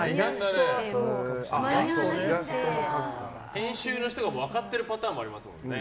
編集の人が分かってるパターンもありますよね。